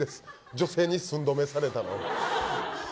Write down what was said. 女性に寸止めされたの。